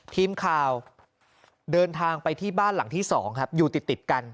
ทีมข่าวเดินทางไปที่บ้านหลังที่๒ครับอยู่ติดกัน